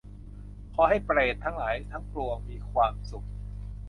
ขอให้เปรตทั้งหลายทั้งปวงมีความสุข